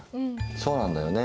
そうなんだよね。